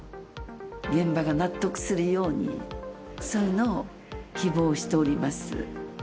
現場が納得するように、そういうのを希望しております。